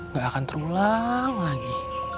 gak akan terulang lagi